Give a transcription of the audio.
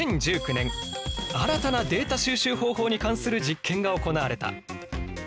新たなデータ収集方法に関する実験が行われた。